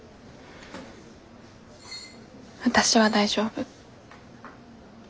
私は大丈夫。